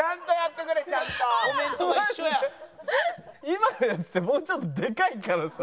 今のやつってもうちょっとでかいからさ。